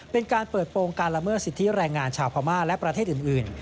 เป็นการเปิดโปรงการละเมิดสิทธิแรงงานชาวพม่าและประเทศอื่น